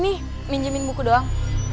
ini minjemin buku doang